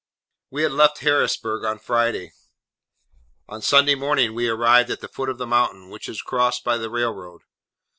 We had left Harrisburg on Friday. On Sunday morning we arrived at the foot of the mountain, which is crossed by railroad.